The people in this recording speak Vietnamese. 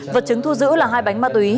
vật chứng thu giữ là hai bánh ma túy